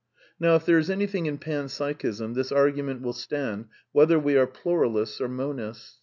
Now, if there is anything in Pan Psychism, this argu ment will stand whether we are pluralists or monists.